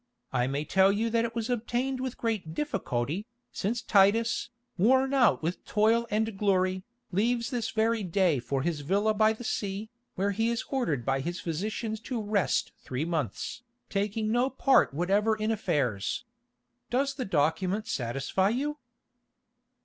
I may tell you that it was obtained with great difficulty, since Titus, worn out with toil and glory, leaves this very day for his villa by the sea, where he is ordered by his physicians to rest three months, taking no part whatever in affairs. Does the document satisfy you?"